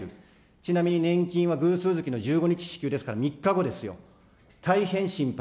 ちなみに年金は偶数月の１５日支給ですから、３日後ですよ。大変心配。